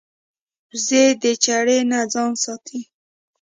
وزې د چړې نه ځان ساتي